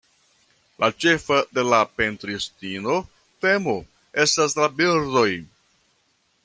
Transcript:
La ĉefa de la pentristino temo estas la birdoj.